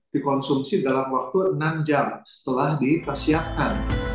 dikonsumsi dalam waktu enam jam setelah dipersiapkan